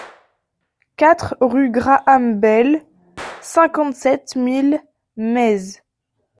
quatre rue Graham Bell, cinquante-sept mille Metz